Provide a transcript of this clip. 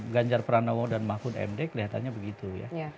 ganjar pranowo dan mahfud md kelihatannya begitu ya